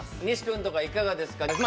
西君とかいかがですか？